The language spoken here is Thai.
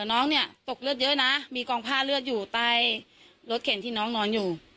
น้องเนี่ยตกเลือดเยอะนะมีกองผ้าเลือดอยู่ใต้รถเข็นที่น้องนอนอยู่